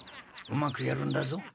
うまくやるんだぞ。